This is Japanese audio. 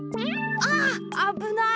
あああぶない！